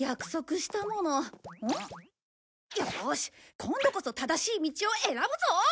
今度こそ正しい道を選ぶぞ！